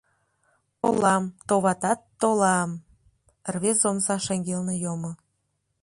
— Толам, товатат, толам, — рвезе омса шеҥгелне йомо.